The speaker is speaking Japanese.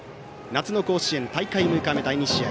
夏の甲子園大会６日目第２試合。